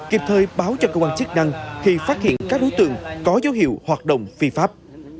kịp thời báo cho cơ quan chức năng khi phát hiện các đối tượng có dấu hiệu hoạt động phi pháp